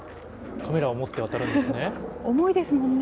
カメラを持って渡るんですね。